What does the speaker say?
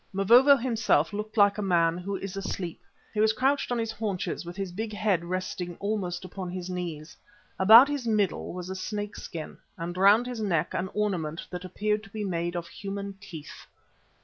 Mavovo himself looked like a man who is asleep. He was crouched on his haunches with his big head resting almost upon his knees. About his middle was a snake skin, and round his neck an ornament that appeared to be made of human teeth.